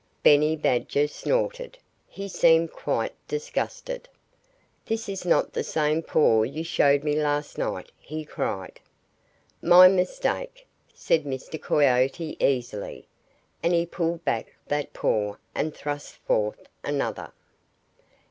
Benny Badger snorted. He seemed quite disgusted. "This is not the same paw you showed me last night," he cried. "My mistake!" said Mr. Coyote easily. And he pulled back that paw and thrust forth another.